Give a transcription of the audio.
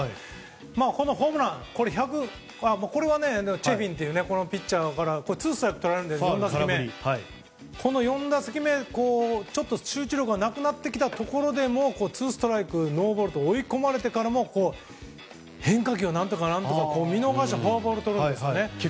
このホームランチェフィンというピッチャーからツーストライクをとられるんですけれども４打席目に集中力がなくなってきてもツーストライク、ノーボールと追い込まれながらも変化球を何とか見逃してフォアボールをとるんですよね。